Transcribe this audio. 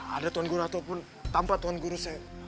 ada tuhan guru ataupun tanpa tuhan guru saya